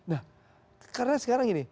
nah karena sekarang gini